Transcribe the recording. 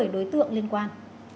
một mươi đối tượng liên quan